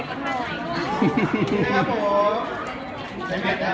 ขอบคุณแม่ก่อนต้องกลางนะครับ